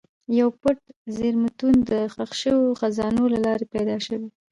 یو پټ زېرمتون د ښخ شوو خزانو له لارې پیدا شو.